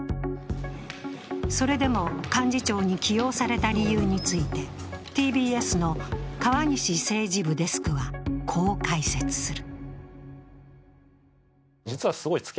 それでも幹事長に起用された理由について、ＴＢＳの川西政治部デスクはこう解説する。